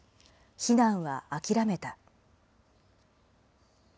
避難は諦めた。